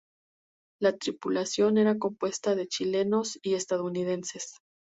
La tripulación era compuesta de chilenos y estadounidenses.